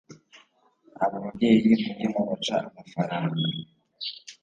abo babyeyi mujye mubaca amafaranga